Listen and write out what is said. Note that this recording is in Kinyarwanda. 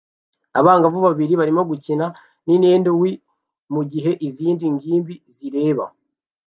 Abangavu babiri barimo gukina Nintendo Wii mugihe izindi ngimbi zireba